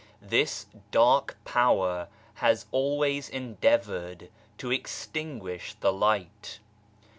This dark power has always endeavoured to extinguish the Light.